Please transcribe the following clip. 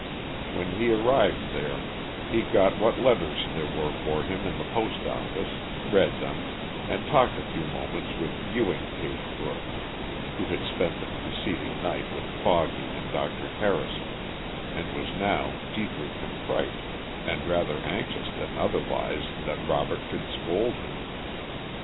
When he arrived there he got what letters there were for him in the post office, read them, and talked a few moments with Ewing Pagebrook, who had spent the preceding night with Foggy and Dr. Harrison, and was now deeply contrite and rather anxious than otherwise that Robert should scold him.